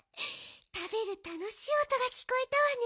たべるたのしいおとがきこえたわね。